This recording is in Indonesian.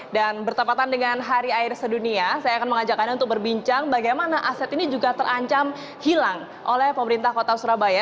dan bertempatan dengan hari air sedunia saya akan mengajak anda untuk berbincang bagaimana aset ini juga terancam hilang oleh pemerintah kota surabaya